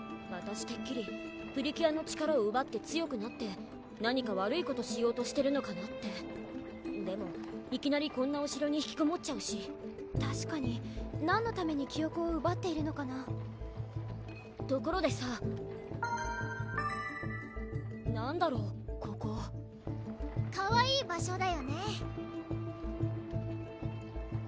わたしてっきりプリキュアの力をうばって強くなって何か悪いことしようとしてるのかなってでもいきなりこんなお城に引きこもっちゃうしたしかに何のために記憶をうばっているのかなところでさ何だろうここかわいい場所だよね